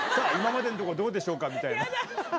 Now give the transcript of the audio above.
今までのところどうでしょうかみたいな。